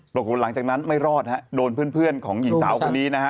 หลังจากนั้นไม่รอดฮะโดนเพื่อนของหญิงสาวคนนี้นะฮะ